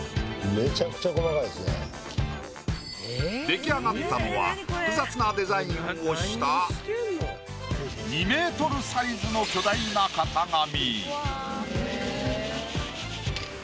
出来上がったのは複雑なデザインをした２ｍサイズの巨大な型紙。